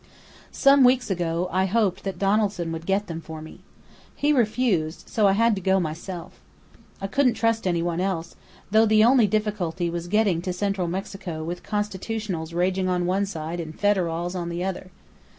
"Some weeks ago I hoped that Donaldson would get them for me. He refused, so I had to go myself. I couldn't trust any one else, though the only difficulty was getting to Central Mexico with Constitutionals raging on one side and Federals on the other.